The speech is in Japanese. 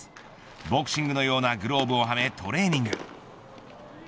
ボクシングのようなグローブをはめトレーニング。